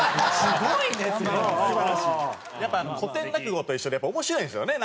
やっぱ古典落語と一緒で面白いんですよね